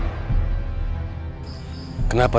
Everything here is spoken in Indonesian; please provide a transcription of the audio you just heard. kisah saya sudah berangkat